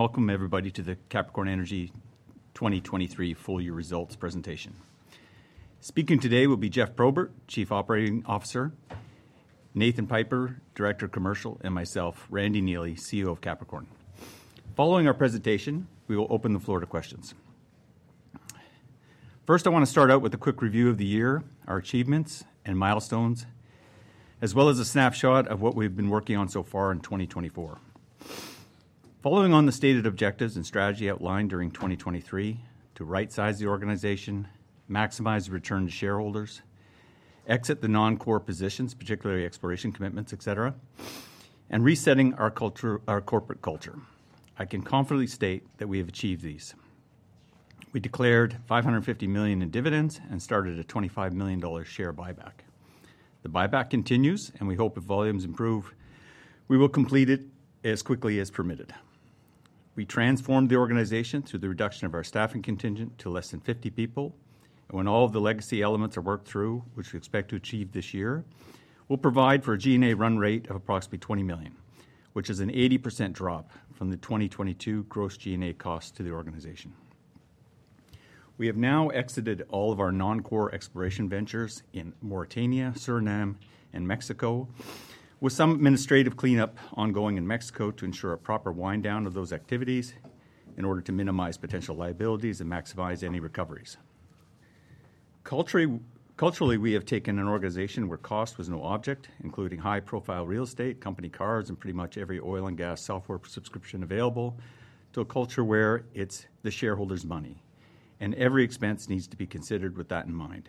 Welcome, everybody, to the Capricorn Energy 2023 full year results presentation. Speaking today will be Geoff Probert, Chief Operating Officer, Nathan Piper, Commercial Director, and myself, Randy Neely, CEO of Capricorn. Following our presentation, we will open the floor to questions. First, I want to start out with a quick review of the year, our achievements, and milestones, as well as a snapshot of what we've been working on so far in 2024. Following on the stated objectives and strategy outlined during 2023 to rightsize the organization, maximize return to shareholders, exit the non-core positions, particularly exploration commitments, et cetera, and resetting our culture, our corporate culture, I can confidently state that we have achieved these. We declared $550 million in dividends and started a $25 million share buyback. The buyback continues, and we hope if volumes improve, we will complete it as quickly as permitted. We transformed the organization through the reduction of our staffing contingent to less than 50 people, and when all of the legacy elements are worked through, which we expect to achieve this year, we'll provide for a G&A run rate of approximately $20 million, which is an 80% drop from the 2022 gross G&A cost to the organization. We have now exited all of our non-core exploration ventures in Mauritania, Suriname, and Mexico, with some administrative cleanup ongoing in Mexico to ensure a proper wind down of those activities in order to minimize potential liabilities and maximize any recoveries. Culturally, we have taken an organization where cost was no object, including high-profile real estate, company cars, and pretty much every oil and gas software subscription available, to a culture where it's the shareholders' money, and every expense needs to be considered with that in mind.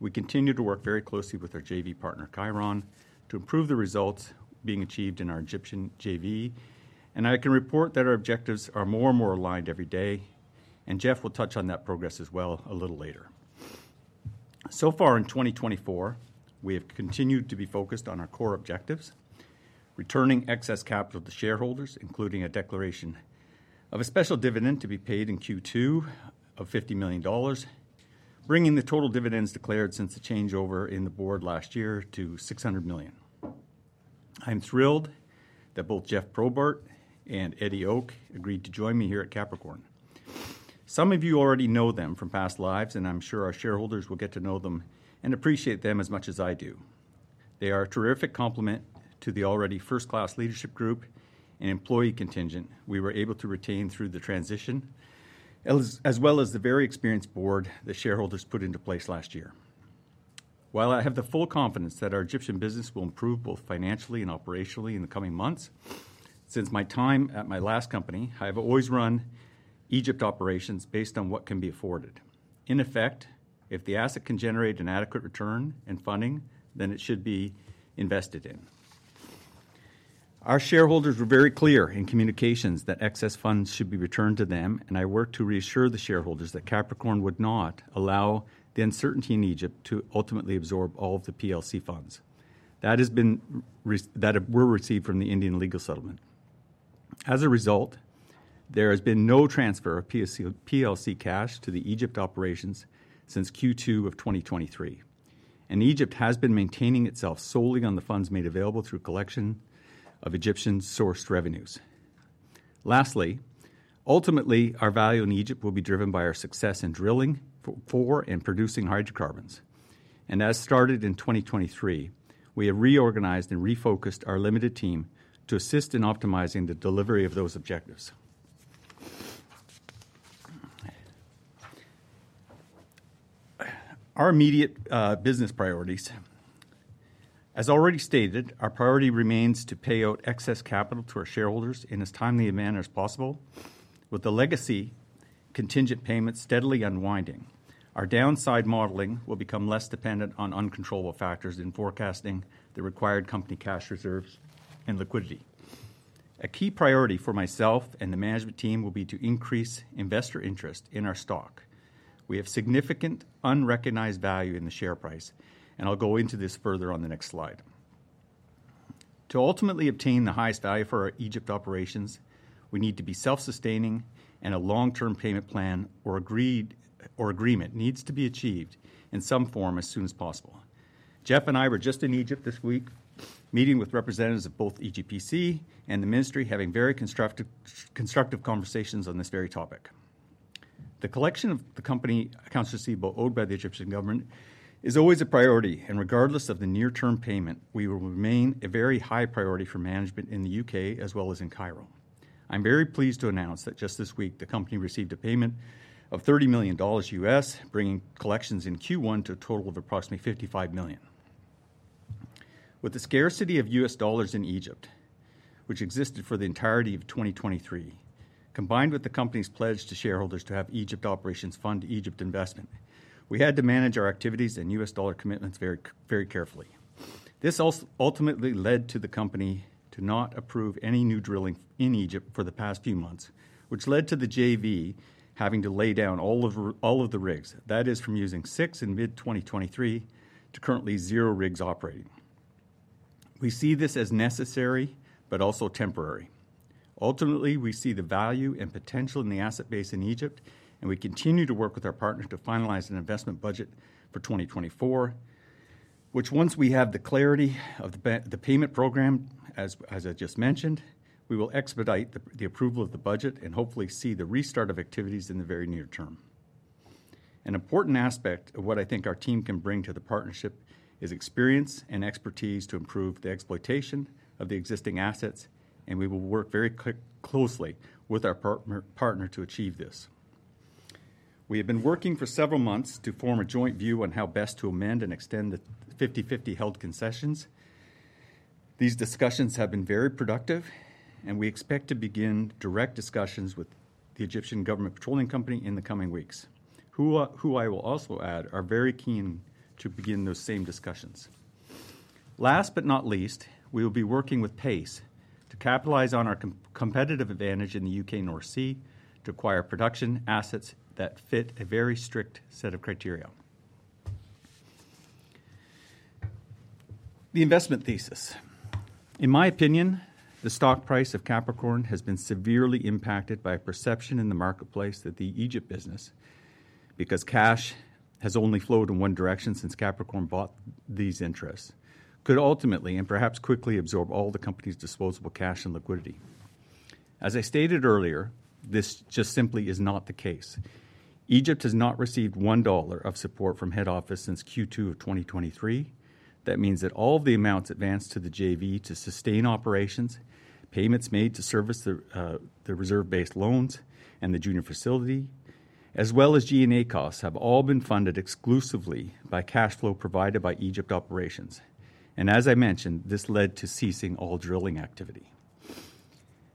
We continue to work very closely with our JV partner, Cheiron, to improve the results being achieved in our Egyptian JV. I can report that our objectives are more and more aligned every day, and Geoff will touch on that progress as well a little later. So far in 2024, we have continued to be focused on our core objectives, returning excess capital to shareholders, including a declaration of a special dividend to be paid in Q2 of $50 million, bringing the total dividends declared since the changeover in the board last year to $600 million. I'm thrilled that both Geoff Probert and Eddie Ok agreed to join me here at Capricorn. Some of you already know them from past lives, and I'm sure our shareholders will get to know them and appreciate them as much as I do. They are a terrific complement to the already first-class leadership group and employee contingent we were able to retain through the transition, as well as the very experienced board the shareholders put into place last year. While I have the full confidence that our Egyptian business will improve both financially and operationally in the coming months, since my time at my last company, I have always run Egypt operations based on what can be afforded. In effect, if the asset can generate an adequate return and funding, then it should be invested in. Our shareholders were very clear in communications that excess funds should be returned to them, and I worked to reassure the shareholders that Capricorn would not allow the uncertainty in Egypt to ultimately absorb all of the PLC funds that has been re-- that were received from the Indian legal settlement. As a result, there has been no transfer of PSC, PLC cash to the Egypt operations since Q2 of 2023, and Egypt has been maintaining itself solely on the funds made available through collection of Egyptian-sourced revenues. Lastly, ultimately, our value in Egypt will be driven by our success in drilling for and producing hydrocarbons, and as started in 2023, we have reorganized and refocused our limited team to assist in optimizing the delivery of those objectives. Our immediate business priorities. As already stated, our priority remains to pay out excess capital to our shareholders in as timely a manner as possible, with the legacy contingent payment steadily unwinding. Our downside modeling will become less dependent on uncontrollable factors in forecasting the required company cash reserves and liquidity. A key priority for myself and the management team will be to increase investor interest in our stock. We have significant unrecognized value in the share price, and I'll go into this further on the next slide. To ultimately obtain the highest value for our Egypt operations, we need to be self-sustaining, and a long-term payment plan or agreement needs to be achieved in some form as soon as possible. Geoff and I were just in Egypt this week, meeting with representatives of both EGPC and the Ministry, having very constructive conversations on this very topic. The collection of the company accounts receivable owed by the Egyptian government is always a priority, and regardless of the near-term payment, we will remain a very high priority for management in the U.K. as well as in Cairo. I'm very pleased to announce that just this week, the company received a payment of $30 million, bringing collections in Q1 to a total of approximately $55 million. With the scarcity of U.S. dollars in Egypt, which existed for the entirety of 2023, combined with the company's pledge to shareholders to have Egypt operations fund Egypt investment, we had to manage our activities and U.S. dollar commitments very, very carefully. This ultimately led to the company to not approve any new drilling in Egypt for the past few months, which led to the JV having to lay down all of the rigs. That is from using six in mid-2023 to currently zero rigs operating. We see this as necessary but also temporary. Ultimately, we see the value and potential in the asset base in Egypt, and we continue to work with our partners to finalize an investment budget for 2024. Which once we have the clarity of the payment program, as I just mentioned, we will expedite the approval of the budget and hopefully see the restart of activities in the very near term. An important aspect of what I think our team can bring to the partnership is experience and expertise to improve the exploitation of the existing assets, and we will work very closely with our partner to achieve this. We have been working for several months to form a joint view on how best to amend and extend the 50/50 held concessions. These discussions have been very productive, and we expect to begin direct discussions with the Egyptian government petroleum company in the coming weeks, who, who I will also add, are very keen to begin those same discussions. Last but not least, we will be working with pace to capitalize on our competitive advantage in the U.K. North Sea to acquire production assets that fit a very strict set of criteria. The investment thesis. In my opinion, the stock price of Capricorn has been severely impacted by a perception in the marketplace that the Egypt business, because cash has only flowed in one direction since Capricorn bought these interests, could ultimately, and perhaps quickly, absorb all the company's disposable cash and liquidity. As I stated earlier, this just simply is not the case. Egypt has not received one dollar of support from head office since Q2 of 2023. That means that all the amounts advanced to the JV to sustain operations, payments made to service the reserve-based loans and the junior facility, as well as G&A costs, have all been funded exclusively by cash flow provided by Egypt operations. And as I mentioned, this led to ceasing all drilling activity.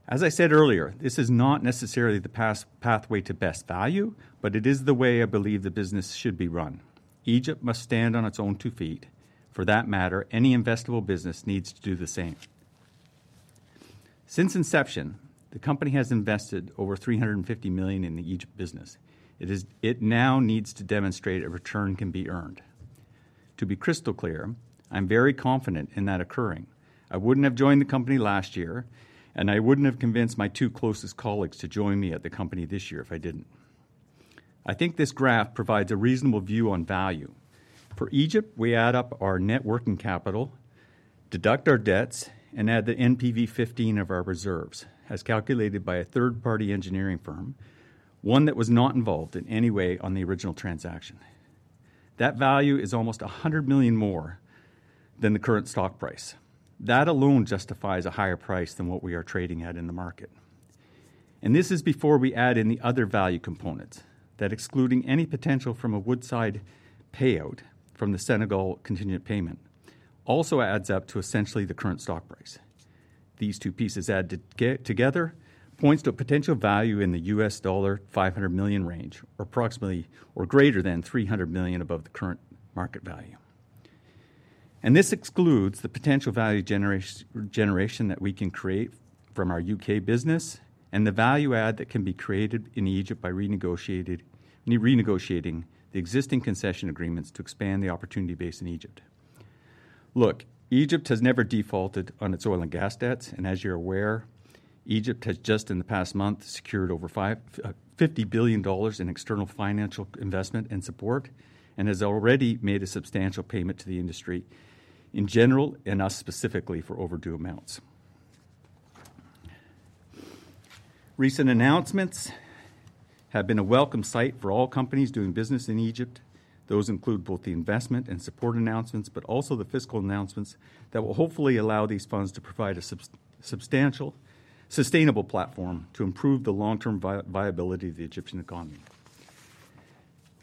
As I said earlier, this is not necessarily the pathway to best value, but it is the way I believe the business should be run. Egypt must stand on its own two feet. For that matter, any investable business needs to do the same. Since inception, the company has invested over $350 million in the Egypt business. It now needs to demonstrate a return can be earned. To be crystal clear, I'm very confident in that occurring. I wouldn't have joined the company last year, and I wouldn't have convinced my two closest colleagues to join me at the company this year if I didn't. I think this graph provides a reasonable view on value. For Egypt, we add up our net working capital, deduct our debts, and add the NPV15 of our reserves, as calculated by a third-party engineering firm, one that was not involved in any way on the original transaction. That value is almost $100 million more than the current stock price. That alone justifies a higher price than what we are trading at in the market. And this is before we add in the other value components, that excluding any potential from a Woodside payout from the Senegal contingent payment, also adds up to essentially the current stock price. These two pieces added together points to a potential value in the $500 million range, or approximately, or greater than $300 million above the current market value. This excludes the potential value generation that we can create from our U.K. business and the value add that can be created in Egypt by renegotiating the existing concession agreements to expand the opportunity base in Egypt. Look, Egypt has never defaulted on its oil and gas debts, and as you're aware, Egypt has just in the past month secured over $50 billion in external financial investment and support, and has already made a substantial payment to the industry in general and us specifically for overdue amounts. Recent announcements have been a welcome sight for all companies doing business in Egypt. Those include both the investment and support announcements, but also the fiscal announcements that will hopefully allow these funds to provide a substantial, sustainable platform to improve the long-term viability of the Egyptian economy.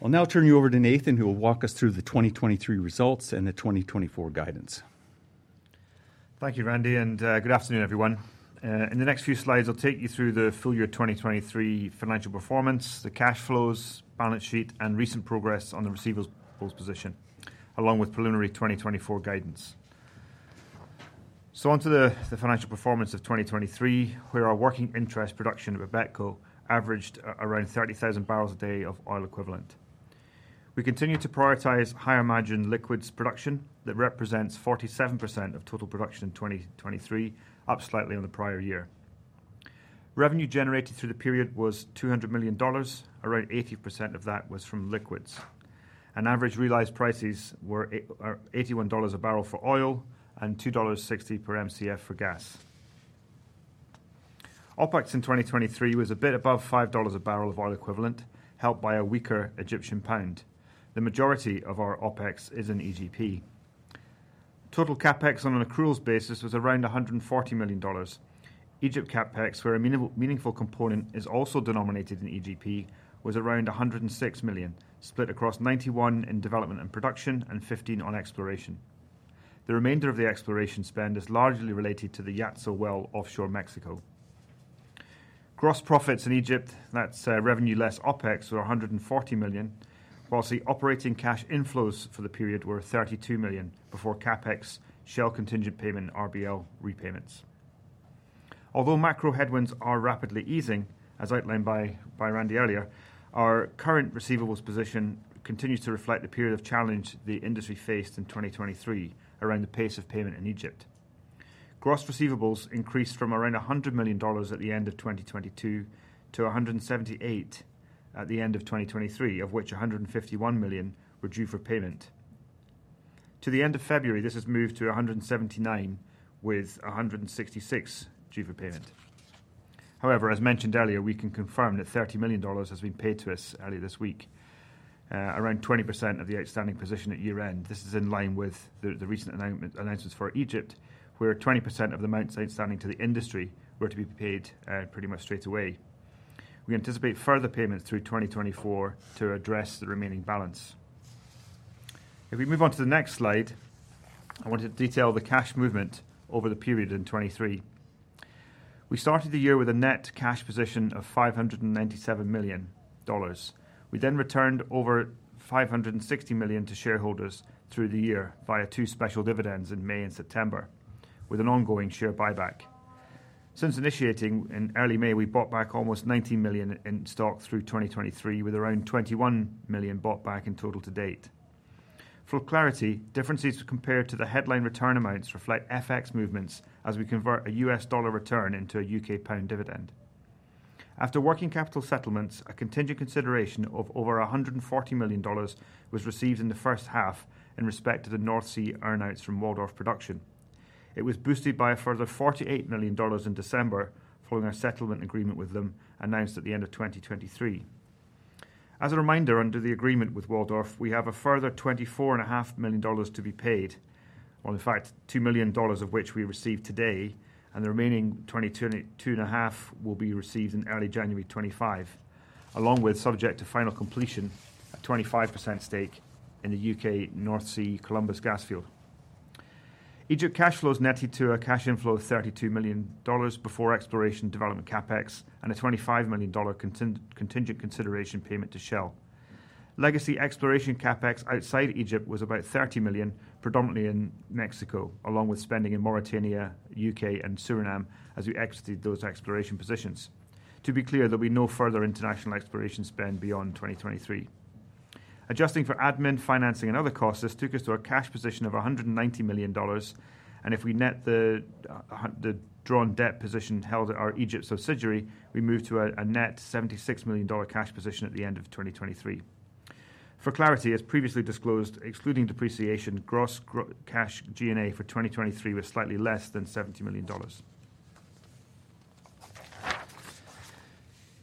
I'll now turn you over to Nathan, who will walk us through the 2023 results and the 2024 guidance. Thank you, Randy, and good afternoon, everyone. In the next few slides, I'll take you through the full year 2023 financial performance, the cash flows, balance sheet, and recent progress on the receivables position, along with preliminary 2024 guidance. So on to the financial performance of 2023, where our working interest production of BAPETCo averaged around 30,000 barrels a day of oil equivalent. We continued to prioritize higher-margin liquids production that represents 47% of total production in 2023, up slightly on the prior year. Revenue generated through the period was $200 million. Around 80% of that was from liquids, and average realized prices were $81 a barrel for oil and $2.60 per Mcf for gas. OpEx in 2023 was a bit above $5 a barrel of oil equivalent, helped by a weaker Egyptian pound. The majority of our OpEx is in EGP. Total CapEx, on an accruals basis, was around $140 million. Egypt CapEx, where a meaningful component is also denominated in EGP, was around $106 million, split across $91 in development and production and $15 on exploration. The remainder of the exploration spend is largely related to the Yatzil well, offshore Mexico. Gross profits in Egypt, that's revenue less OpEx, were $140 million, whilst the operating cash inflows for the period were $32 million before CapEx, Shell contingent payment, RBL repayments. Although macro headwinds are rapidly easing, as outlined by Randy earlier, our current receivables position continues to reflect the period of challenge the industry faced in 2023 around the pace of payment in Egypt. Gross receivables increased from around $100 million at the end of 2022 to $178 million at the end of 2023, of which $151 million were due for payment. To the end of February, this has moved to $179 million, with $166 million due for payment. However, as mentioned earlier, we can confirm that $30 million has been paid to us earlier this week, around 20% of the outstanding position at year-end. This is in line with the recent announcement, announcements for Egypt, where 20% of the amounts outstanding to the industry were to be paid pretty much straight away. We anticipate further payments through 2024 to address the remaining balance. If we move on to the next slide, I want to detail the cash movement over the period in 2023. We started the year with a net cash position of $597 million. We then returned over $560 million to shareholders through the year via two special dividends in May and September, with an ongoing share buyback. Since initiating in early May, we bought back almost $90 million in stock through 2023, with around $21 million bought back in total to date. For clarity, differences compared to the headline return amounts reflect FX movements as we convert a U.S. dollar return into a U.K. pound dividend. After working capital settlements, a contingent consideration of over $140 million was received in the first half in respect to the North Sea earn-outs from Waldorf Production. It was boosted by a further $48 million in December, following our settlement agreement with them, announced at the end of 2023. As a reminder, under the agreement with Waldorf, we have a further $24.5 million to be paid, or in fact, $2 million of which we received today, and the remaining $22.5 million will be received in early January 2025, along with, subject to final completion, a 25% stake in the U.K. North Sea Columbus gas field. Egypt cash flows netted to a cash inflow of $32 million before exploration development CapEx and a $25 million contingent consideration payment to Shell. Legacy exploration CapEx outside Egypt was about $30 million, predominantly in Mexico, along with spending in Mauritania, U.K., and Suriname, as we exited those exploration positions. To be clear, there'll be no further international exploration spend beyond 2023. Adjusting for admin, financing, and other costs, this took us to a cash position of $190 million, and if we net the drawn debt position held at our Egypt subsidiary, we move to a net $76 million cash position at the end of 2023. For clarity, as previously disclosed, excluding depreciation, gross cash G&A for 2023 was slightly less than $70 million.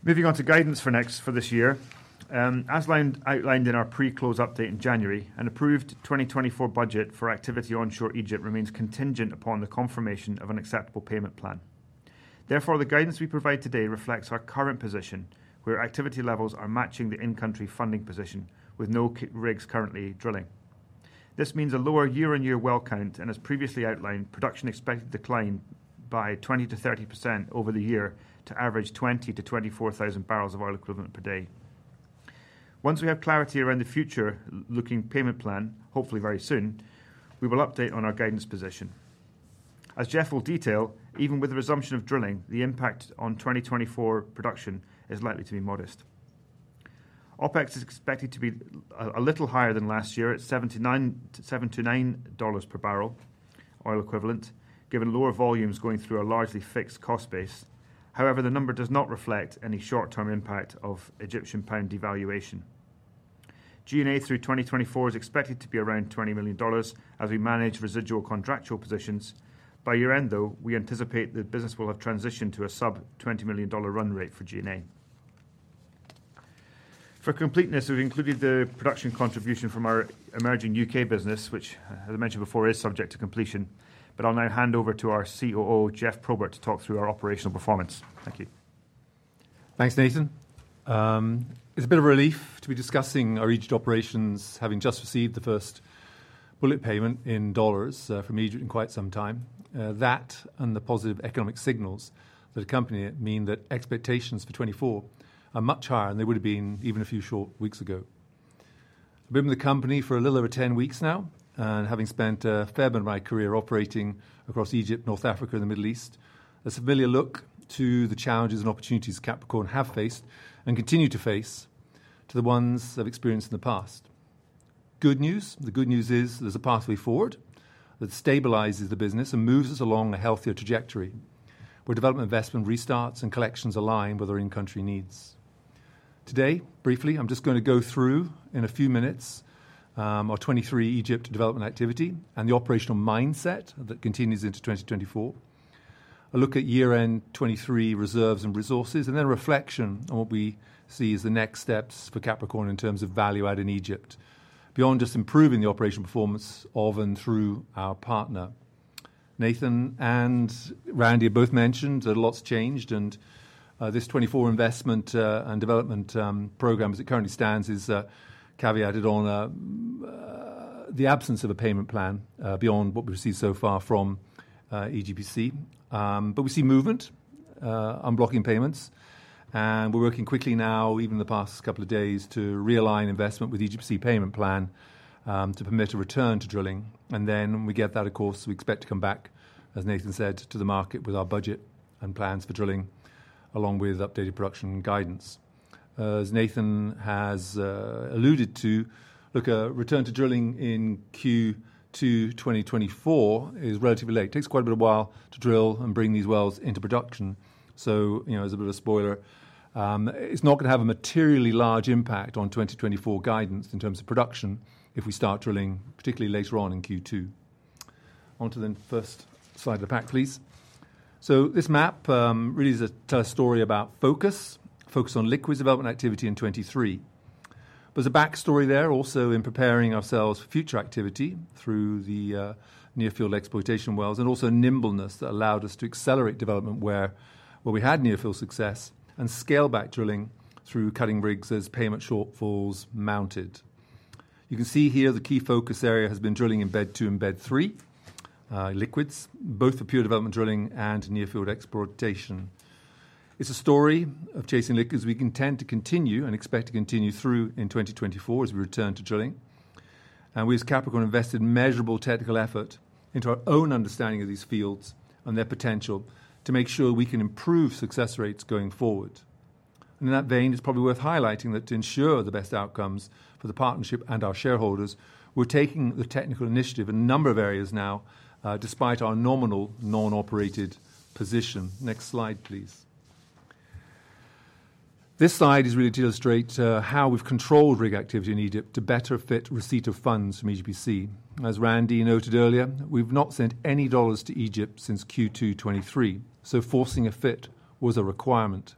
Moving on to guidance for this year. As outlined in our pre-close update in January, an approved 2024 budget for activity onshore Egypt remains contingent upon the confirmation of an acceptable payment plan. Therefore, the guidance we provide today reflects our current position, where activity levels are matching the in-country funding position, with no rigs currently drilling. This means a lower year-on-year well count, and as previously outlined, production expected to decline by 20%-30% over the year to average 20,000-24,000 barrels of oil equivalent per day. Once we have clarity around the future looking payment plan, hopefully very soon, we will update on our guidance position. As Geoff will detail, even with the resumption of drilling, the impact on 2024 production is likely to be modest. OpEx is expected to be a little higher than last year at $7.97-$9 per barrel oil equivalent, given lower volumes going through our largely fixed cost base. However, the number does not reflect any short-term impact of Egyptian pound devaluation. G&A through 2024 is expected to be around $20 million as we manage residual contractual positions. By year-end, though, we anticipate the business will have transitioned to a sub-$20 million run rate for G&A. For completeness, we've included the production contribution from our emerging U.K. business, which, as I mentioned before, is subject to completion. But I'll now hand over to our COO, Geoff Probert, to talk through our operational performance. Thank you. Thanks, Nathan. It's a bit of a relief to be discussing our Egypt operations, having just received the first bullet payment in dollars from Egypt in quite some time. That and the positive economic signals that accompany it mean that expectations for 2024 are much higher than they would have been even a few short weeks ago. I've been with the company for a little over 10 weeks now, and having spent a fair bit of my career operating across Egypt, North Africa, and the Middle East, this is a familiar look to the challenges and opportunities Capricorn have faced and continue to face to the ones I've experienced in the past. Good news? The good news is there's a pathway forward that stabilizes the business and moves us along a healthier trajectory, where development investment restarts and collections align with our in-country needs. Today, briefly, I'm just going to go through, in a few minutes, our 2023 Egypt development activity and the operational mindset that continues into 2024. A look at year-end 2023 reserves and resources, and then a reflection on what we see as the next steps for Capricorn in terms of value add in Egypt, beyond just improving the operational performance of and through our partner. Nathan and Randy have both mentioned that a lot's changed, and this 2024 investment and development program, as it currently stands, is caveated on the absence of a payment plan beyond what we've seen so far from EGPC. But we see movement unblocking payments, and we're working quickly now, even the past couple of days, to realign investment with EGPC payment plan to permit a return to drilling. Then when we get that, of course, we expect to come back, as Nathan said, to the market with our budget and plans for drilling, along with updated production guidance. As Nathan has alluded to, look, a return to drilling in Q2 2024 is relatively late. It takes quite a bit of while to drill and bring these wells into production. So, you know, as a bit of a spoiler, it's not gonna have a materially large impact on 2024 guidance in terms of production if we start drilling, particularly later on in Q2. On to the first slide of the pack, please. This map really is a tell a story about focus, focus on liquids development activity in 2023. There's a backstory there also in preparing ourselves for future activity through the near-field exploitation wells, and also nimbleness that allowed us to accelerate development where we had near-field success, and scale back drilling through cutting rigs as payment shortfalls mounted. You can see here the key focus area has been drilling in BED-2 and BED-3 liquids, both the pure development drilling and near field exploitation. It's a story of chasing liquids we can tend to continue and expect to continue through in 2024 as we return to drilling. And we, as Capricorn, invested measurable technical effort into our own understanding of these fields and their potential to make sure we can improve success rates going forward. In that vein, it's probably worth highlighting that to ensure the best outcomes for the partnership and our shareholders, we're taking the technical initiative in a number of areas now, despite our nominal non-operated position. Next slide, please. This slide is really to illustrate how we've controlled rig activity in Egypt to better fit receipt of funds from EGPC. As Randy noted earlier, we've not sent any dollars to Egypt since Q2 2023, so forcing a fit was a requirement.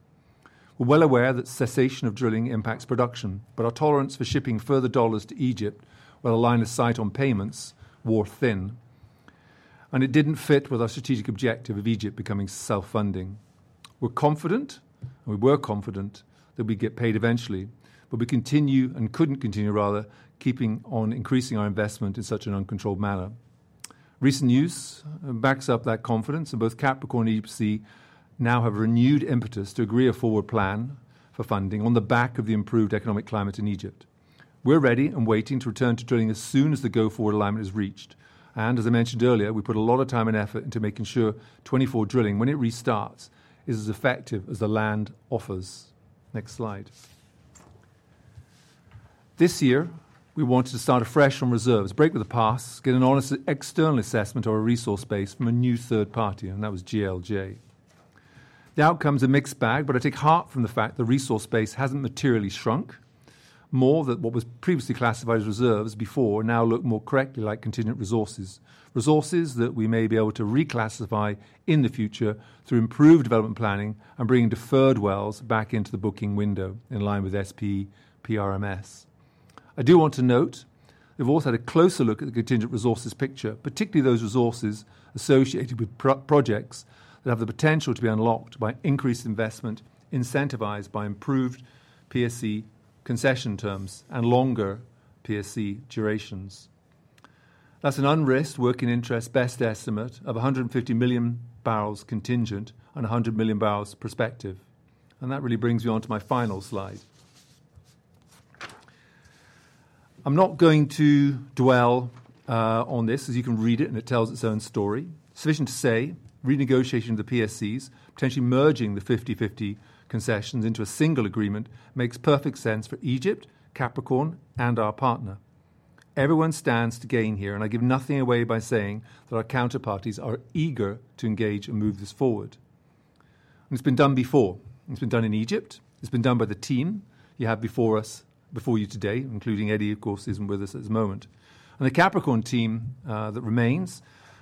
We're well aware that cessation of drilling impacts production, but our tolerance for shipping further dollars to Egypt while a line of sight on payments wore thin, and it didn't fit with our strategic objective of Egypt becoming self-funding. We're confident, and we were confident that we'd get paid eventually, but we couldn't continue, rather, keeping on increasing our investment in such an uncontrolled manner. Recent news backs up that confidence, and both Capricorn and EGPC now have a renewed impetus to agree a forward plan for funding on the back of the improved economic climate in Egypt. We're ready and waiting to return to drilling as soon as the go-forward alignment is reached. As I mentioned earlier, we put a lot of time and effort into making sure 2024 drilling, when it restarts, is as effective as the land offers. Next slide. This year, we wanted to start afresh on reserves, break with the past, get an honest external assessment or a resource base from a new third party, and that was GLJ. The outcome is a mixed bag, but I take heart from the fact the resource base hasn't materially shrunk. More that what was previously classified as reserves before now look more correctly like contingent resources. Resources that we may be able to reclassify in the future through improved development planning and bringing deferred wells back into the booking window in line with SPE PRMS. I do want to note, we've also had a closer look at the contingent resources picture, particularly those resources associated with projects that have the potential to be unlocked by increased investment, incentivized by improved PSC concession terms and longer PSC durations. That's an unrisked working interest best estimate of 150 million barrels contingent and 100 million barrels prospective. And that really brings me on to my final slide. I'm not going to dwell on this, as you can read it, and it tells its own story. Sufficient to say, renegotiation of the PSCs, potentially merging the 50/50 concessions into a single agreement, makes perfect sense for Egypt, Capricorn, and our partner. Everyone stands to gain here, and I give nothing away by saying that our counterparties are eager to engage and move this forward. It's been done before. It's been done in Egypt. It's been done by the team you have before us, before you today, including Eddie, of course, who isn't with us at this moment. The Capricorn team that remains,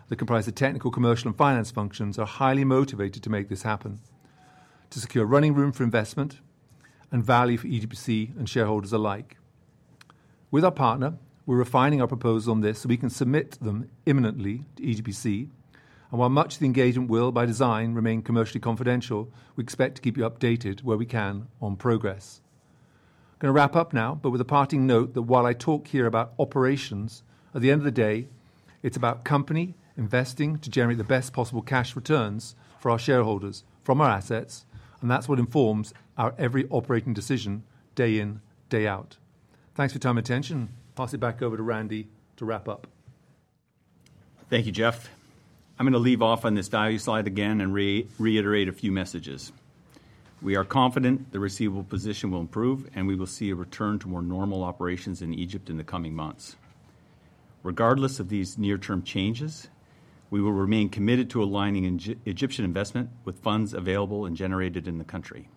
that comprise the technical, commercial, and finance functions, are highly motivated to make this happen, to secure running room for investment and value for EGPC and shareholders alike. With our partner, we're refining our proposal on this so we can submit them imminently to EGPC, and while much of the engagement will, by design, remain commercially confidential, we expect to keep you updated where we can on progress. I'm gonna wrap up now, but with a parting note that while I talk here about operations, at the end of the day, it's about company investing to generate the best possible cash returns for our shareholders from our assets, and that's what informs our every operating decision day in, day out. Thanks for your time and attention. Pass it back over to Randy to wrap up. Thank you, Geoff. I'm going to leave off on this value slide again and reiterate a few messages. We are confident the receivable position will improve, and we will see a return to more normal operations in Egypt in the coming months. Regardless of these near-term changes, we will remain committed to aligning Egyptian investment with funds available and generated in the country.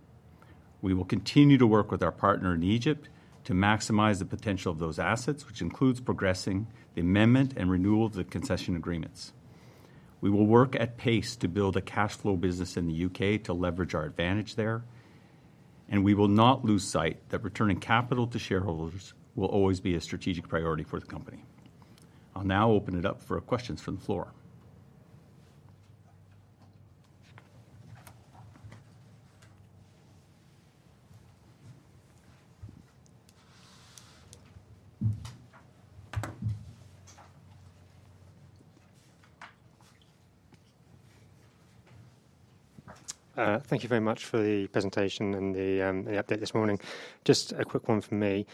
We will continue to work with our partner in Egypt to maximize the potential of those assets, which includes progressing the amendment and renewal of the concession agreements. We will work at pace to build a cash flow business in the U.K. to leverage our advantage there, and we will not lose sight that returning capital to shareholders will always be a strategic priority for the company. I'll now open it up for questions from the floor. Thank you very much for the presentation and the update this morning. Just a quick one from me.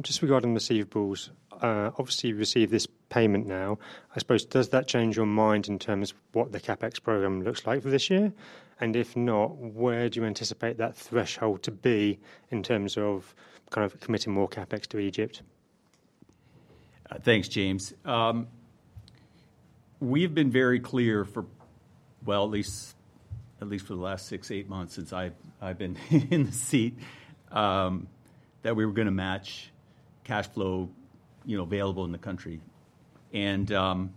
Just regarding receivables, obviously, you've received this payment now. I suppose, does that change your mind in terms of what the CapEx program looks like for this year? And if not, where do you anticipate that threshold to be in terms of kind of committing more CapEx to Egypt?... Thanks, James. We've been very clear for, well, at least for the last six to eight months since I've been in the seat that we were gonna match cash flow, you know, available in the country. And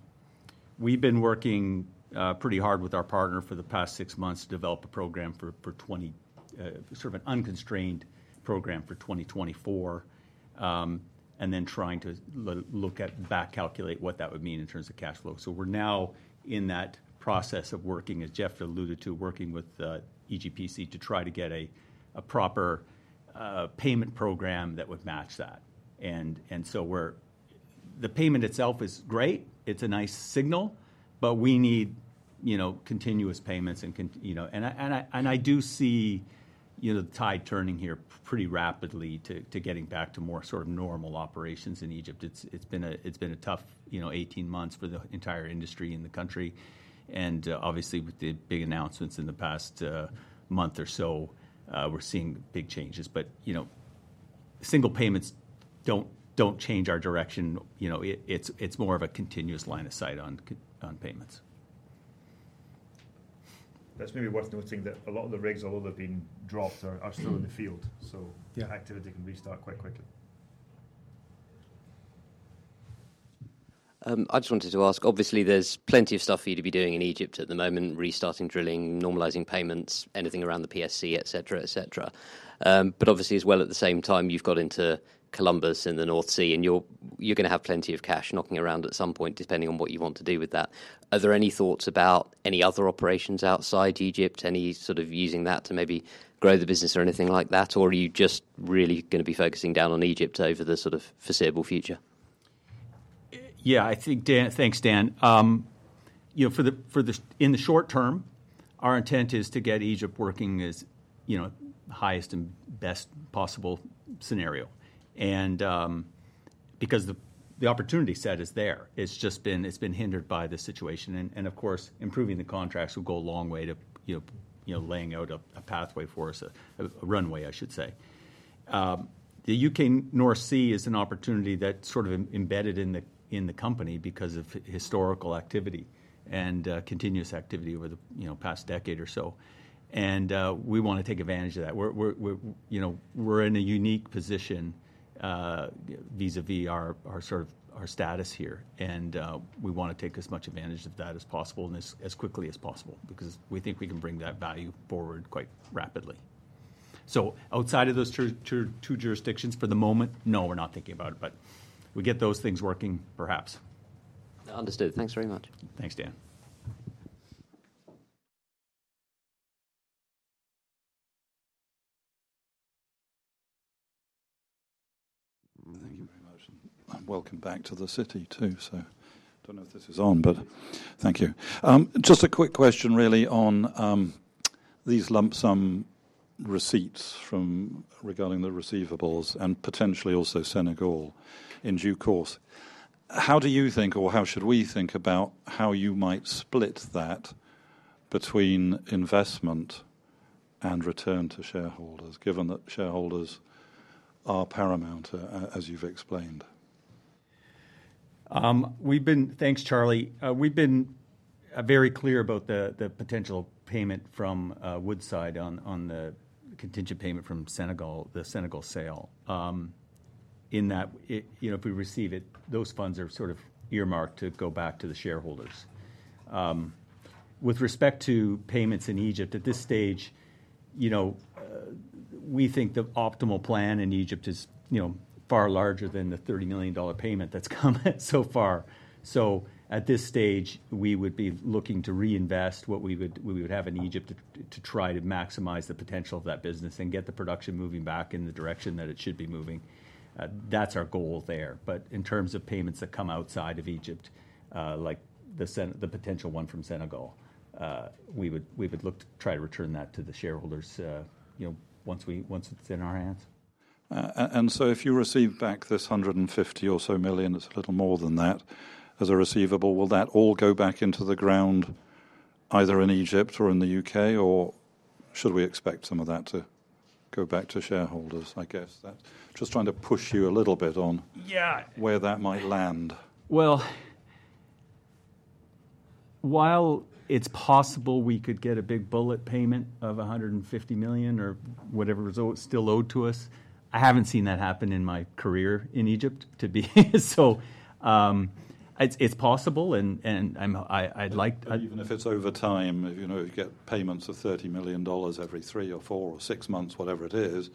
we've been working pretty hard with our partner for the past six months to develop a program for 2024, sort of an unconstrained program for 2024. And then trying to look at, back calculate what that would mean in terms of cash flow. So we're now in that process of working, as Geoff alluded to, working with EGPC to try to get a proper payment program that would match that. And so we're the payment itself is great, it's a nice signal, but we need, you know, continuous payments and con you know... I do see, you know, the tide turning here pretty rapidly to getting back to more sort of normal operations in Egypt. It's been a tough, you know, 18 months for the entire industry in the country. And obviously, with the big announcements in the past month or so, we're seeing big changes. But, you know, single payments don't change our direction. You know, it's more of a continuous line of sight on payments. That's maybe worth noting that a lot of the rigs, although they've been dropped, are still in the field. So- Yeah... activity can restart quite quickly. I just wanted to ask, obviously, there's plenty of stuff for you to be doing in Egypt at the moment: restarting drilling, normalizing payments, anything around the PSC, et cetera, et cetera. But obviously as well, at the same time, you've got into Columbus in the North Sea, and you're gonna have plenty of cash knocking around at some point, depending on what you want to do with that. Are there any thoughts about any other operations outside Egypt, any sort of using that to maybe grow the business or anything like that? Or are you just really gonna be focusing down on Egypt over the sort of foreseeable future? Yeah, I think, Dan. Thanks, Dan. You know, for the, for the, in the short term, our intent is to get Egypt working as, you know, highest and best possible scenario. And, because the, the opportunity set is there, it's just been, it's been hindered by the situation, and, and of course, improving the contracts will go a long way to, you know, you know, laying out a, a pathway for us, a, a runway, I should say. The UK North Sea is an opportunity that's sort of embedded in the, in the company because of historical activity and, continuous activity over the, you know, past decade or so. And, we wanna take advantage of that. We're, you know, we're in a unique position vis-à-vis our sort of our status here, and we wanna take as much advantage of that as possible, and as quickly as possible, because we think we can bring that value forward quite rapidly. So outside of those two jurisdictions for the moment, no, we're not thinking about it, but we get those things working, perhaps. Understood. Thanks very much. Thanks, Dan. Thank you very much, and welcome back to the city, too. So I don't know if this is on, but thank you. Just a quick question really on these lump sum receipts from... regarding the receivables and potentially also Senegal in due course. How do you think or how should we think about how you might split that between investment and return to shareholders, given that shareholders are paramount, as you've explained? Thanks, Charlie. We've been very clear about the potential payment from Woodside on the contingent payment from Senegal, the Senegal sale. In that, you know, if we receive it, those funds are sort of earmarked to go back to the shareholders. With respect to payments in Egypt, at this stage, you know, we think the optimal plan in Egypt is, you know, far larger than the $30 million payment that's come in so far. So at this stage, we would be looking to reinvest what we would, we would have in Egypt to try to maximize the potential of that business and get the production moving back in the direction that it should be moving. That's our goal there. But in terms of payments that come outside of Egypt, like the potential one from Senegal, we would look to try to return that to the shareholders, you know, once it's in our hands. And so if you receive back this $150 or so million, it's a little more than that, as a receivable, will that all go back into the ground, either in Egypt or in the U.K., or should we expect some of that to go back to shareholders? I guess just trying to push you a little bit on- Yeah... where that might land. Well, while it's possible we could get a big bullet payment of $150 million or whatever is still owed to us, I haven't seen that happen in my career in Egypt, to be... So, it's possible, and I'd like- Even if it's over time, if, you know, you get payments of $30 million every 3 or 4 or 6 months, whatever it is,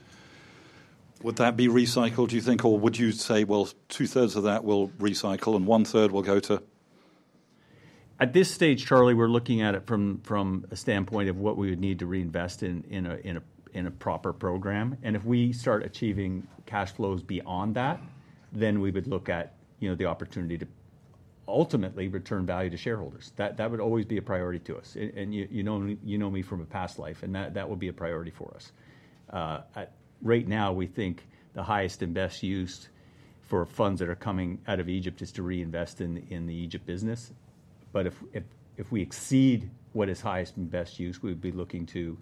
would that be recycled, do you think? Or would you say, "Well, two-thirds of that we'll recycle, and one-third will go to... At this stage, Charlie, we're looking at it from a standpoint of what we would need to reinvest in a proper program. And if we start achieving cash flows beyond that, then we would look at, you know, the opportunity to ultimately return value to shareholders. That would always be a priority to us. And you know me from a past life, and that would be a priority for us. Right now, we think the highest and best use for funds that are coming out of Egypt is to reinvest in the Egypt business. But if we exceed what is highest and best use, we would be looking to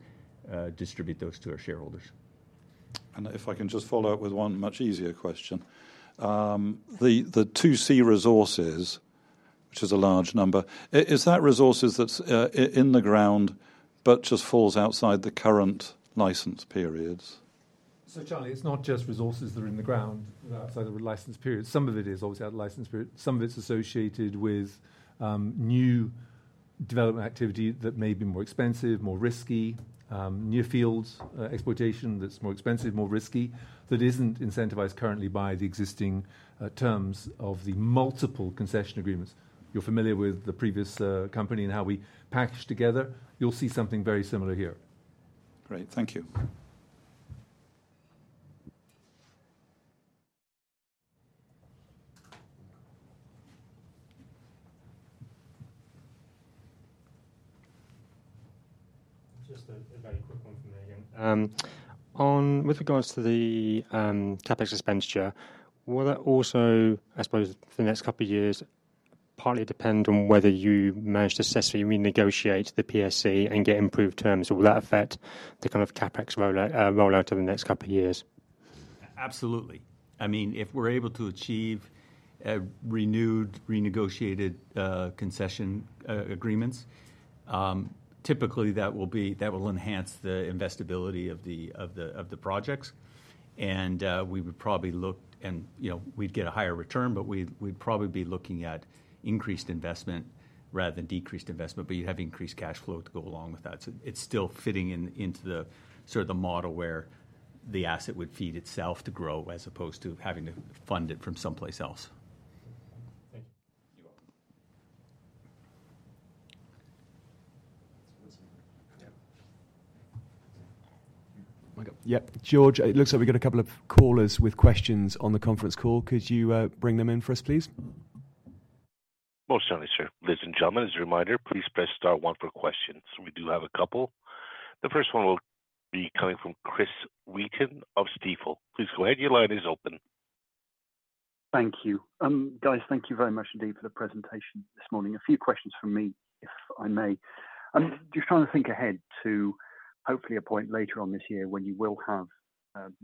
distribute those to our shareholders.... If I can just follow up with one much easier question. The 2C resources, which is a large number, is that resources that's in the ground, but just falls outside the current license periods? So, Charlie, it's not just resources that are in the ground outside of the license period. Some of it is obviously out of license period. Some of it's associated with new development activity that may be more expensive, more risky, new fields, exploitation that's more expensive, more risky, that isn't incentivized currently by the existing terms of the multiple concession agreements. You're familiar with the previous company and how we packaged together? You'll see something very similar here. Great. Thank you. Just a very quick one from me again. On with regards to the CapEx expenditure, will that also, I suppose, for the next couple of years, partly depend on whether you manage to successfully renegotiate the PSC and get improved terms, or will that affect the kind of CapEx rollout over the next couple of years? Absolutely. I mean, if we're able to achieve a renewed, renegotiated concession agreements, typically, that will enhance the investability of the projects. And we would probably look and, you know, we'd get a higher return, but we'd probably be looking at increased investment rather than decreased investment, but you'd have increased cash flow to go along with that. So it's still fitting into the sort of model where the asset would feed itself to grow as opposed to having to fund it from someplace else. Thank you. You're welcome. Yeah. Yeah, George, it looks like we got a couple of callers with questions on the conference call. Could you bring them in for us, please? Most certainly, sir. Ladies and gentlemen, as a reminder, please press star one for questions. We do have a couple. The first one will be coming from Chris Wheaton of Stifel. Please go ahead. Your line is open. Thank you. Guys, thank you very much indeed for the presentation this morning. A few questions from me, if I may. I'm just trying to think ahead to hopefully a point later on this year when you will have,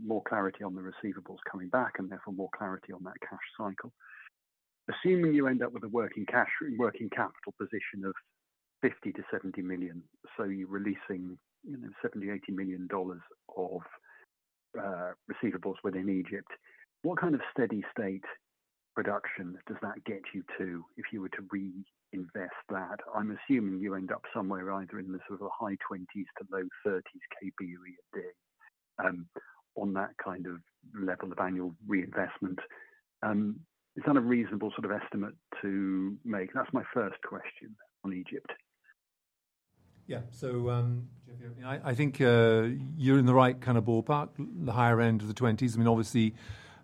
more clarity on the receivables coming back and therefore more clarity on that cash cycle. Assuming you end up with a working capital position of $50-70 million, so you're releasing $70-80 million of, receivables within Egypt, what kind of steady state production does that get you to if you were to reinvest that? I'm assuming you end up somewhere either in the sort of a high 20s to low 30s kBoe a day, on that kind of level of annual reinvestment. Is that a reasonable sort of estimate to make? That's my first question on Egypt. Yeah. So, I think, you're in the right kind of ballpark, the higher end of the twenties. I mean, obviously,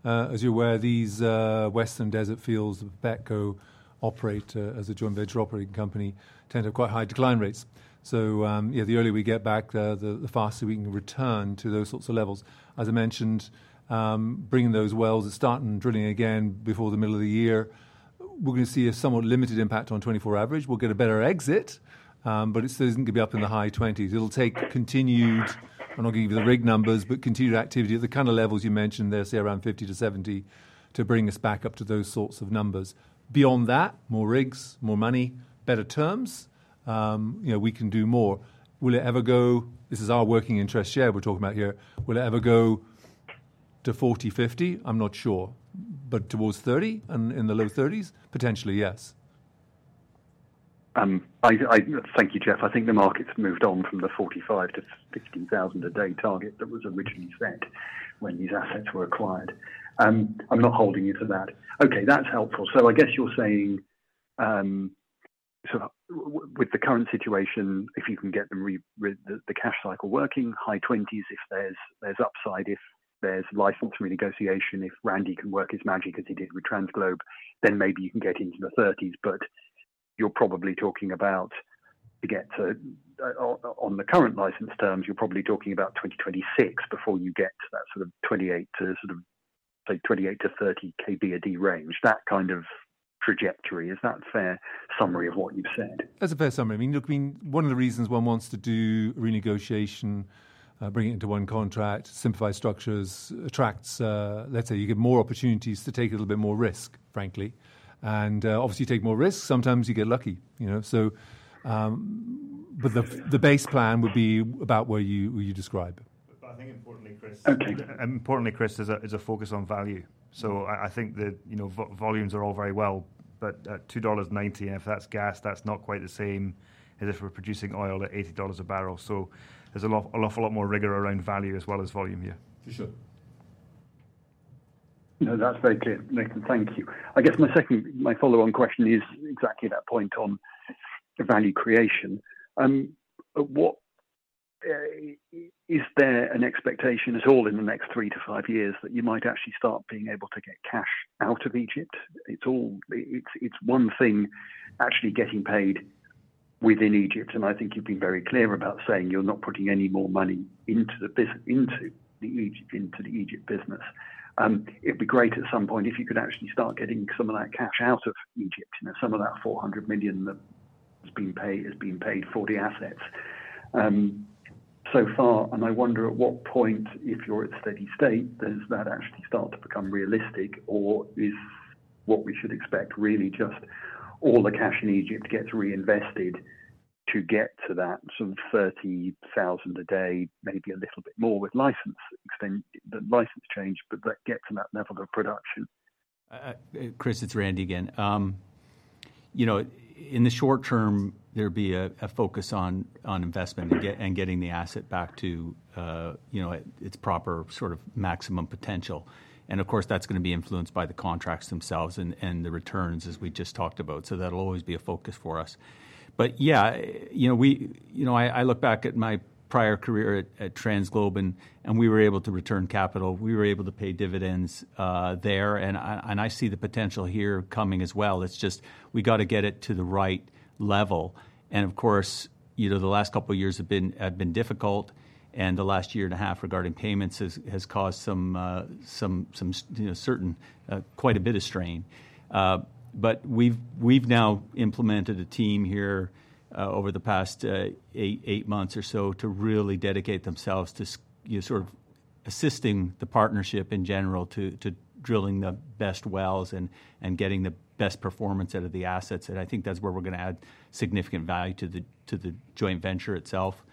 as you're aware, these Western Desert fields, BAPETCo operate, as a joint venture operating company, tend to have quite high decline rates. So, yeah, the earlier we get back, the faster we can return to those sorts of levels. As I mentioned, bringing those wells to start and drilling again, before the middle of the year, we're going to see a somewhat limited impact on 2024 average. We'll get a better exit, but it still isn't going to be up in the high twenties. It'll take continued, I'm not giving you the rig numbers, but continued activity at the kind of levels you mentioned there, say around 50-70, to bring us back up to those sorts of numbers. Beyond that, more rigs, more money, better terms, you know, we can do more. Will it ever go... This is our working interest share we're talking about here. Will it ever go to 40, 50? I'm not sure. But towards 30 and in the low 30s, potentially, yes. Thank you, Geoff. I think the market's moved on from the 45,000-50,000 a day target that was originally set when these assets were acquired. I'm not holding you to that. Okay, that's helpful. So I guess you're saying, with the current situation, if you can get the cash cycle working, high 20s, if there's upside, if there's license renegotiation, if Randy can work his magic as he did with TransGlobe, then maybe you can get into the 30s, but you're probably talking about to get to, on the current license terms, you're probably talking about 2026 before you get to that sort of 28 to, say, 28-30 kboe/d range, that kind of trajectory. Is that a fair summary of what you've said? That's a fair summary. I mean, look, I mean, one of the reasons one wants to do renegotiation, bring it into one contract, simplify structures, attracts. Let's say you get more opportunities to take a little bit more risk, frankly, and, obviously, you take more risks, sometimes you get lucky, you know? So, but the base plan would be about where you describe. But I think, importantly, Chris, importantly, Chris, is a focus on value. So I think that, you know, volumes are all very well, but at $2.90, and if that's gas, that's not quite the same as if we're producing oil at $80 a barrel. So there's a lot, an awful lot more rigor around value as well as volume, yeah. For sure. No, that's very clear, Nathan. Thank you. I guess my second, my follow-on question is exactly that point on value creation. What is there an expectation at all in the next three to five years that you might actually start being able to get cash out of Egypt? It's one thing actually getting paid within Egypt, and I think you've been very clear about saying you're not putting any more money into the Egypt business. It'd be great at some point if you could actually start getting some of that cash out of Egypt, you know, some of that $400 million that was being paid, is being paid for the assets, so far, and I wonder at what point, if you're at steady state, does that actually start to become realistic? Or is what we should expect really just all the cash in Egypt gets reinvested to get to that sort of 30,000 a day, maybe a little bit more with license extension, the license change, but that gets to that level of production? Chris, it's Randy again. You know, in the short term, there'd be a focus on investment and getting the asset back to, you know, its proper sort of maximum potential. And of course, that's gonna be influenced by the contracts themselves and the returns, as we just talked about. So that'll always be a focus for us. But yeah, you know, we, you know, I look back at my prior career at TransGlobe, and we were able to return capital. We were able to pay dividends there, and I see the potential here coming as well. It's just, we got to get it to the right level. Of course, you know, the last couple of years have been difficult, and the last year and a half regarding payments has caused some, some, you know, certain, quite a bit of strain. But we've now implemented a team here over the past eight months or so to really dedicate themselves to, you know, sort of assisting the partnership in general, to drilling the best wells and getting the best performance out of the assets. And I think that's where we're gonna add significant value to the joint venture itself,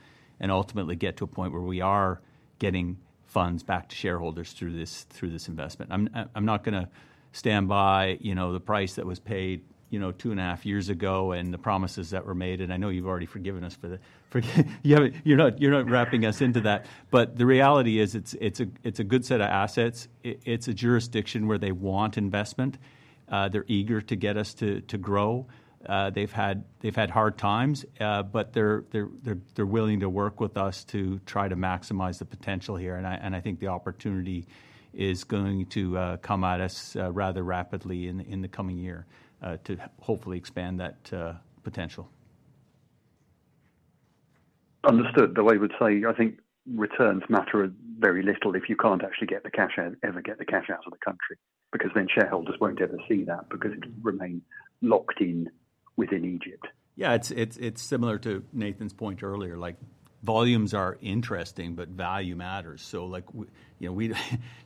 and ultimately get to a point where we are getting funds back to shareholders through this investment. I'm not gonna stand by, you know, the price that was paid, you know, 2.5 years ago and the promises that were made, and I know you've already forgiven us for that. Forgive... You haven't, you're not, you're not wrapping us into that. But the reality is, it's a good set of assets. It's a jurisdiction where they want investment. They're eager to get us to grow. They've had hard times, but they're willing to work with us to try to maximize the potential here, and I think the opportunity is going to come at us rather rapidly in the coming year to hopefully expand that potential. Understood. Although I would say, I think returns matter very little if you can't actually get the cash out, ever get the cash out of the country, because then shareholders won't ever see that, because it'll remain locked in within Egypt. Yeah, it's similar to Nathan's point earlier. Like, volumes are interesting, but value matters. So like, we,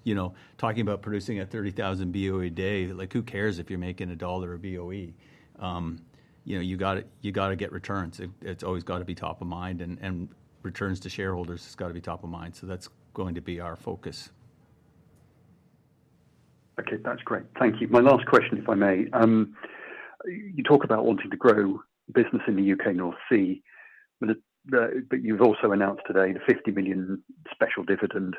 you know, talking about producing 30,000 Boe a day, like, who cares if you're making $1 a Boe? You know, you gotta get returns. It's always gotta be top of mind, and returns to shareholders has got to be top of mind. So that's going to be our focus. Okay, that's great. Thank you. My last question, if I may. You talk about wanting to grow business in the U.K. North Sea, but you've also announced today the $50 million special dividend.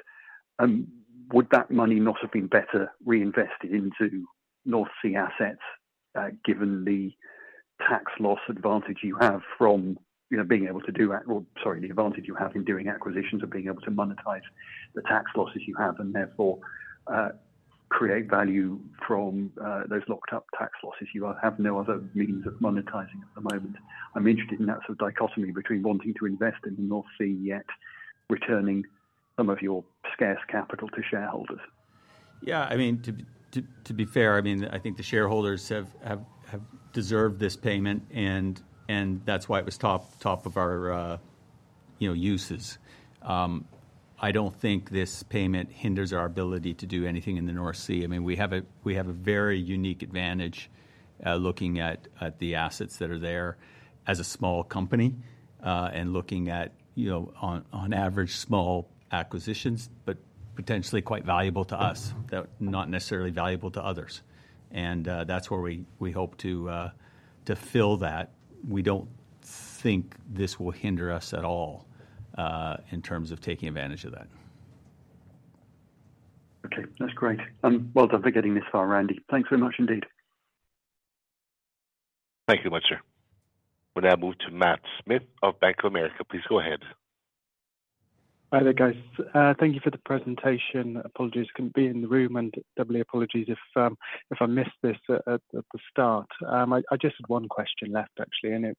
Would that money not have been better reinvested into North Sea assets, given the tax loss advantage you have from, you know, the advantage you have in doing acquisitions and being able to monetize the tax losses you have, and therefore, create value from those locked-up tax losses you have no other means of monetizing at the moment? I'm interested in that sort of dichotomy between wanting to invest in the North Sea, yet returning some of your scarce capital to shareholders. Yeah, I mean, to be fair, I mean, I think the shareholders have deserved this payment, and that's why it was top of our, you know, uses. I don't think this payment hinders our ability to do anything in the North Sea. I mean, we have a very unique advantage, looking at the assets that are there as a small company, and looking at, you know, on average, small acquisitions, but potentially quite valuable to us, not necessarily valuable to others. And that's where we hope to fill that. We don't think this will hinder us at all, in terms of taking advantage of that. Okay, that's great. Well done for getting this far, Randy. Thanks so much indeed. Thank you much, sir. We'll now move to Matt Smith of Bank of America. Please go ahead. Hi there, guys. Thank you for the presentation. Apologies I couldn't be in the room, and doubly apologies if I missed this at the start. I just had one question left, actually, and it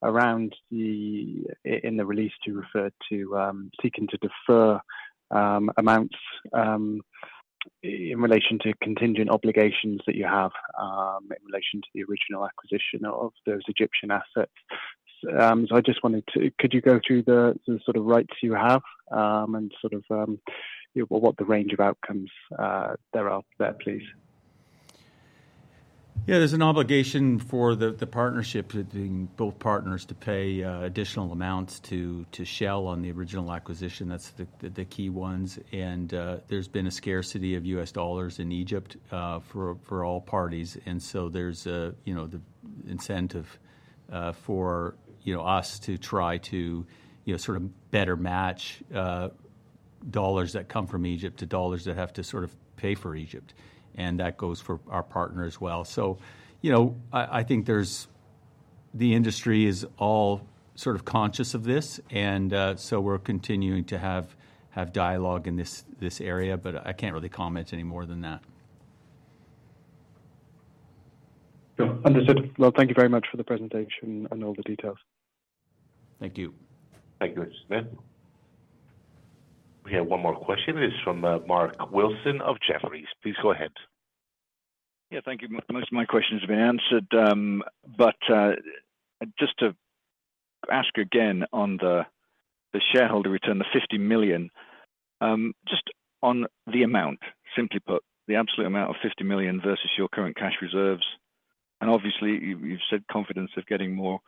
was around the, in the release you referred to seeking to defer amounts in relation to contingent obligations that you have in relation to the original acquisition of those Egyptian assets. So I just wanted to. Could you go through the sort of rights you have and sort of what the range of outcomes there are, please? Yeah, there's an obligation for the partnership between both partners to pay additional amounts to Shell on the original acquisition. That's the key ones, and there's been a scarcity of U.S. dollars in Egypt for all parties. And so there's a, you know, the incentive for you know, us to try to you know, sort of better match dollars that come from Egypt to dollars that have to sort of pay for Egypt, and that goes for our partner as well. So, you know, I think there's... The industry is all sort of conscious of this, and so we're continuing to have dialogue in this area, but I can't really comment any more than that. Understood. Well, thank you very much for the presentation and all the details. Thank you. Thank you, Mr. Smith. We have one more question. It is from Mark Wilson of Jefferies. Please go ahead. Yeah, thank you. Most of my questions have been answered, but just to ask again on the shareholder return, the $50 million. Just on the amount, simply put, the absolute amount of $50 million versus your current cash reserves, and obviously, you've said confidence of getting more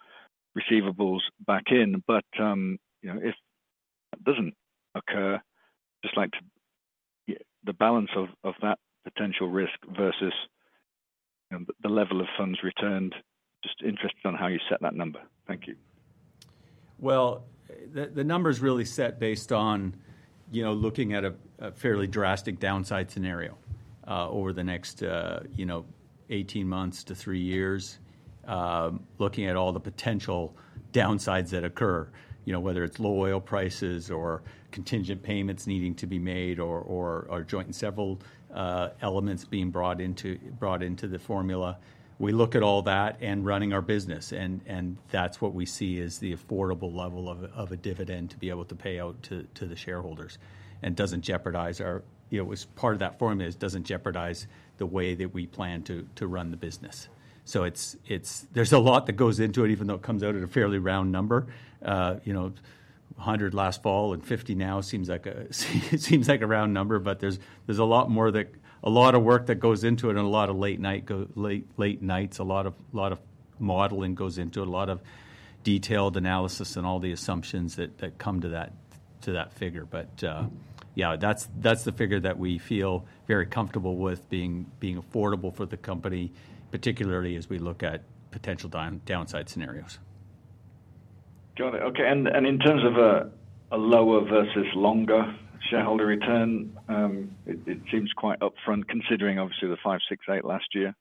receivables back in, but you know, if that doesn't occur, just like to get the balance of that potential risk versus the level of funds returned. Just interested on how you set that number. Thank you. Well, the number's really set based on, you know, looking at a fairly drastic downside scenario over the next, you know, 18 months to three years. Looking at all the potential downsides that occur, you know, whether it's low oil prices or contingent payments needing to be made or joint and several elements being brought into the formula. We look at all that and running our business, and that's what we see as the affordable level of a dividend to be able to pay out to the shareholders. And doesn't jeopardize our... You know, as part of that formula, it doesn't jeopardize the way that we plan to run the business. So it's There's a lot that goes into it, even though it comes out at a fairly round number. You know, $100 last fall and $50 now, seems like a round number, but there's a lot more that... a lot of work that goes into it and a lot of late nights. A lot of modeling goes into it, a lot of detailed analysis and all the assumptions that come to that figure. But, yeah, that's the figure that we feel very comfortable with being affordable for the company, particularly as we look at potential downside scenarios. Got it. Okay, and in terms of a lower versus longer shareholder return, it seems quite upfront, considering obviously, the five, six, eight last year.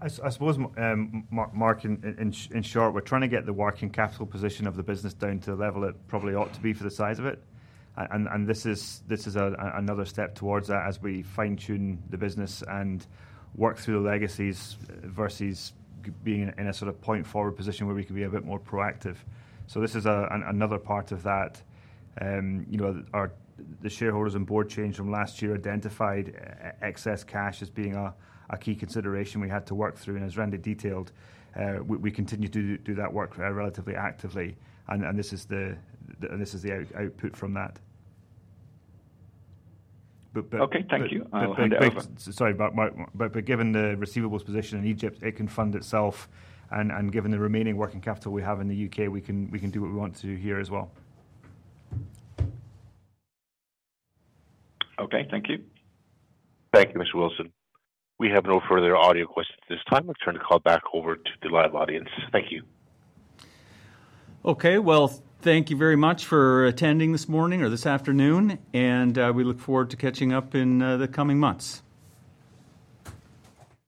I suppose, Mark, in short, we're trying to get the working capital position of the business down to the level it probably ought to be for the size of it. And this is another step towards that as we fine-tune the business and work through the legacies versus being in a sort of point-forward position where we can be a bit more proactive. So this is another part of that. You know, the shareholders and board change from last year identified excess cash as being a key consideration we had to work through. And as Randy detailed, we continue to do that work relatively actively, and this is the output from that. But Okay, thank you. I'll end over. Sorry, but Mark But given the receivables position in Egypt, it can fund itself, and given the remaining working capital we have in the U.K., we can do what we want to do here as well. Okay, thank you. Thank you, Mr. Wilson. We have no further audio questions at this time. Let's turn the call back over to the live audience. Thank you. Okay, well, thank you very much for attending this morning or this afternoon, and we look forward to catching up in the coming months.